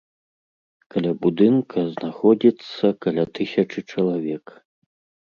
Каля будынка знаходзіцца каля тысячы чалавек.